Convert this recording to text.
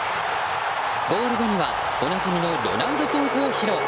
ゴール後にはおなじみのロナウドポーズを披露。